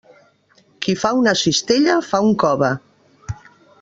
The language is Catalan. Qui fa una cistella, fa un cove.